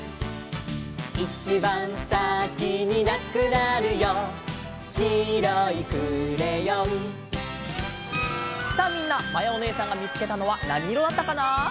「いちばんさきになくなるよ」「きいろいクレヨン」さあみんなまやおねえさんがみつけたのはなにいろだったかな？